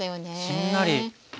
しんなり。